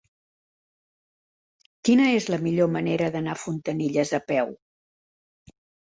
Quina és la millor manera d'anar a Fontanilles a peu?